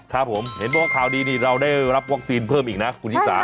ครับผมเห็นบอกว่าข่าวดีนี่เราได้รับวัคซีนเพิ่มอีกนะคุณชิสา